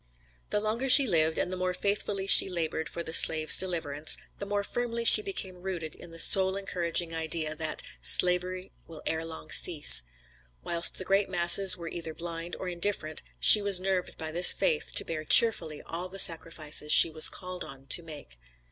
The longer she lived, and the more faithfully she labored for the slave's deliverance, the more firmly she became rooted in the soul encouraging idea, that "Slavery will ere long cease." Whilst the great masses were either blind, or indifferent, she was nerved by this faith to bear cheerfully all the sacrifices she was called on to make.